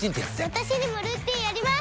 私にもルーティンあります！